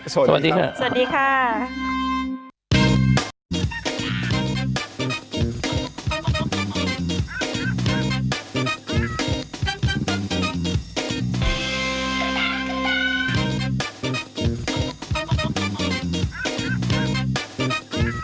สวัสดีค่ะสวัสดีค่ะ